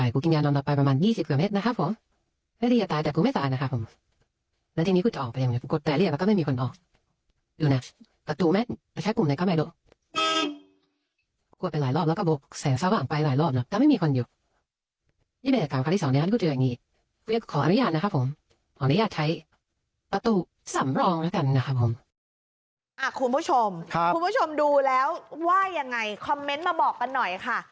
คุณผู้ชมคุณผู้ชมดูแล้วว่ายังไงคอมเมนต์มาบอกกันหน่อยค่ะ